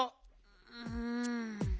うん。